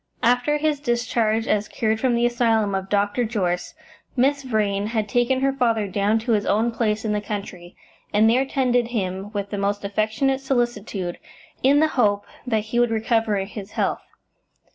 After his discharge as cured from the asylum of Dr. Jorce, Miss Vrain had taken her father down to his own place in the country, and there tended him with the most affectionate solicitude, in the hope that he would recover his health.